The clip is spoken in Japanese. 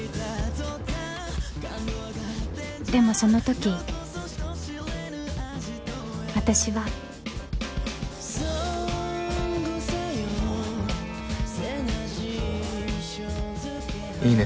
でもそのとき私は。いいね